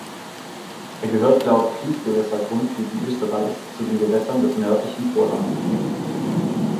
Er gehört laut Fließgewässer-Grundtypen Österreichs zu den Gewässern des nördlichen Vorlandes.